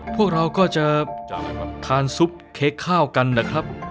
พวกเราก็จะทานซุปเค้กข้าวกันนะครับ